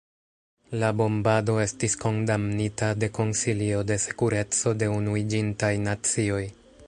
La bombado estis kondamnita de Konsilio de Sekureco de Unuiĝintaj Nacioj.